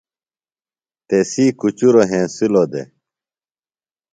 تسی کُچُروۡ ہینسِلوۡ دےۡ۔